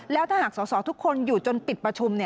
แล้วถ้าหากสอสอทุกคนอยู่จนปิดประชุม